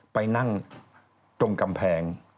ไปนั่งตรงกำแพง